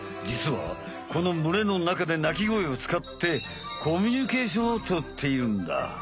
じつはこのむれのなかで鳴き声をつかってコミュニケーションをとっているんだ。